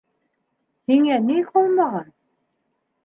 Һиңә ни ҡалмаған?